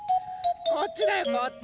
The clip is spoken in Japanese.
こっちだよこっち。